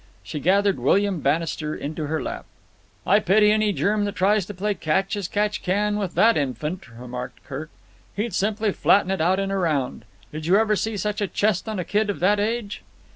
She gathered William Bannister into her lap. "I pity any germ that tries to play catch as catch can with that infant," remarked Kirk. "He'd simply flatten it out in a round. Did you ever see such a chest on a kid of that age?"